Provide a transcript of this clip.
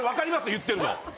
言ってるの。